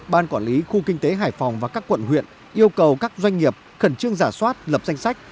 ban quản lý khu kinh tế hải phòng và các quận huyện yêu cầu các doanh nghiệp khẩn trương giả soát lập danh sách